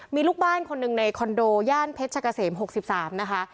มีลูกบ้านคนหนึ่งในคอนโดย่านเพชรกะเสม๖๓นะคะ